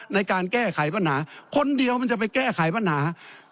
ในการแก้ไขปัญหาคนเดียวมันจะไปแก้ไขปัญหา